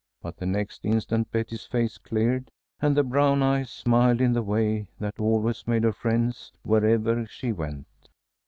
But the next instant Betty's face cleared, and the brown eyes smiled in the way that always made her friends wherever she went.